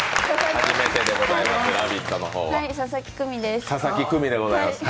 佐々木久美です。